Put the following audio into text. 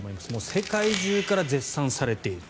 世界中から絶賛されている。